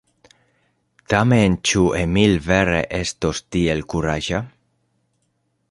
Tamen ĉu Emil vere estos tiel kuraĝa?